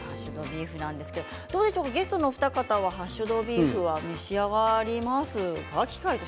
ゲストのお二方はハッシュドビーフは召し上がりますか？